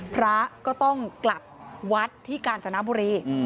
พระก็ต้องกลับวัดที่กาญจนบุรี